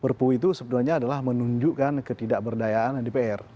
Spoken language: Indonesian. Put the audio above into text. perpu itu sebenarnya adalah menunjukkan ketidakberdayaan dpr